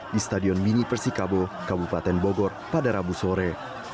di stadion mini persikabo kabupaten bogor pada rabu sore